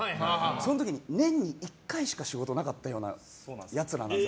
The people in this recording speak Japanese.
その時に年に１回しか仕事がなかったようなやつらなんで。